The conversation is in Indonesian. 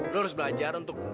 lu harus belajar untuk